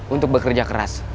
untuk bekerja keras